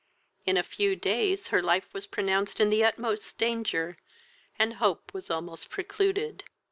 In a few days her life was pronounced in the utmost danger, and hope was almost precluded.